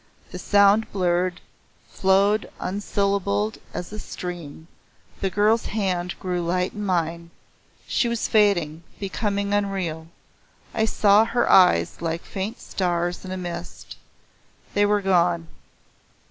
The sound blurred, flowed unsyllabled as a stream, the girl's hand grew light in mine; she was fading, becoming unreal; I saw her eyes like faint stars in a mist. They were gone.